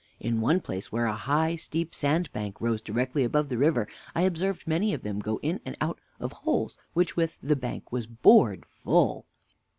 In one place where a high steep sand bank rose directly above the river, I observed many of them go in and out of holes with which the bank was bored full.